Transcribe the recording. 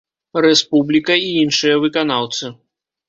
Рэспубліка і іншыя выканаўцы.